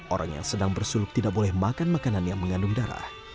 orang yang sedang bersuluk tidak boleh makan makanan yang mengandung darah